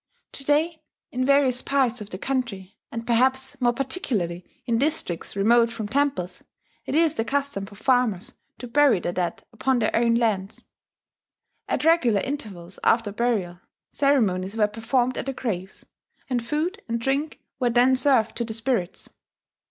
To day, in various parts of the country, and perhaps more particularly in districts remote from temples, it is the custom for farmers to bury their dead upon their own lands. At regular intervals after burial, ceremonies were performed at the graves; and food and drink were then served to the spirits.